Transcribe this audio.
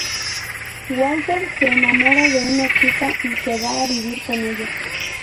Walter se enamora de una chica y se va a vivir con ella.